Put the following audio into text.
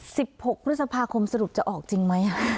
สิบหกวิทยาลัยภาคมสรุปจะออกจริงไหมอ่ะ